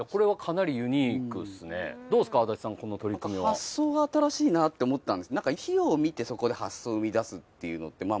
虫ね発想が新しいなって思ったんです